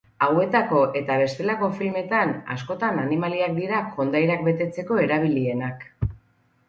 Hauetako eta bestelako filmetan, askotan animaliak dira kondairak betetzeko erabilienak.